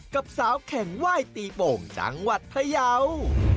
กับสาวแข่งไหว้ตีโป่งจังหวัดพยาว